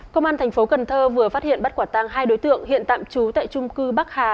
công an thành phố cần thơ vừa phát hiện bắt quả tăng hai đối tượng hiện tạm trú tại trung cư bắc hà